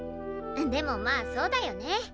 でもまあそうだよね。